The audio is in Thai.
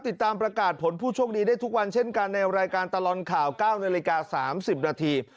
ติดตามประกาศผลผู้โชคดีได้ทุกวันเช่นกันในรายการตลอดข่าว๙นาฬิกา๓๐นาที